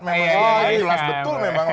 jelas betul memang langsung